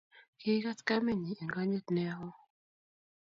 Kiikat kamenyi eng konyit ne o